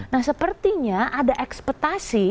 nah sepertinya ada ekspetasi